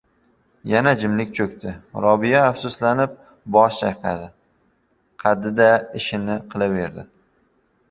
Yana jimlik cho‘kdi. Robiya afsuslanib bosh chay- qadi-da, ishini qilaverdi.